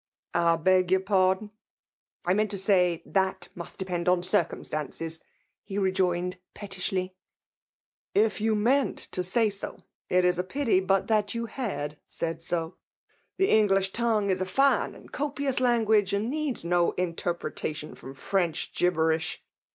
I beg your pardon ?"*^ 1 meant to say ihat must depend on cir euiDSlancea," he rgoined, pettishly. If you meant to say so, it is a pity but that you Aod said so. The English tongue is a fine and copious language^ and needs no in terpretation from French gibberish.